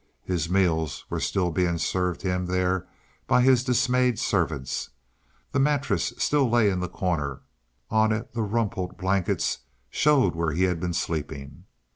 His meals were still being served him there by his dismayed servants. The mattress still lay in the corner; on it the rumpled blankets showed where he had been sleeping.